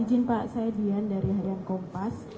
izin pak saya dian dari hayankompas